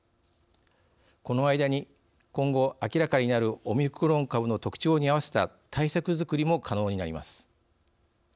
この間に今後明らかになるオミクロン株の特徴に合わせた対策づくりも可能になります。